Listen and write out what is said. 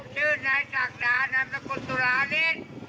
ชื่อนายศักดานำนักกฎตุราฤทธิ์